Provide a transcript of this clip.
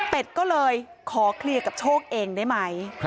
ก็เลยขอเคลียร์กับโชคเองได้ไหม